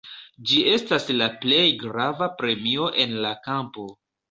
Ĝi estas la plej grava premio en la kampo.